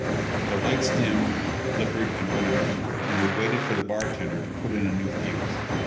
The lights dimmed, flickered and went out, and we waited for the bartender to put in a new fuse.